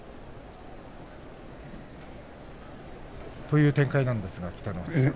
という展開ですが北の富士さん。